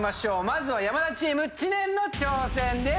まずは山田チーム知念の挑戦です。